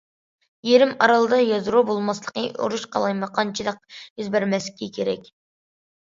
يېرىم ئارالدا يادرو بولماسلىقى، ئۇرۇش، قالايمىقانچىلىق يۈز بەرمەسلىكى كېرەك.